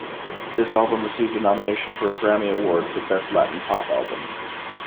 This album received a nomination for a Grammy Award for Best Latin Pop Album.